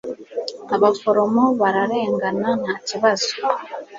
abaforomo bararengana, nta kibazo